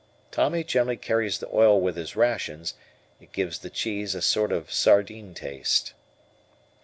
Tommy generally carries the oil with his rations; it gives the cheese a sort of sardine taste.